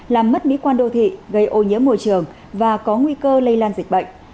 làm mất mỹ quan đô thị gây ô nhiễm môi trường và có nguy cơ lây lan dịch bệnh